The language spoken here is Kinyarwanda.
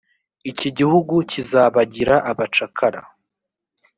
iki igihugu kizabagira abacakara